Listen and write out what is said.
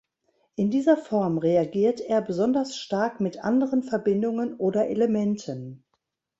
In dieser Form reagiert er besonders stark mit anderen Verbindungen oder Elementen.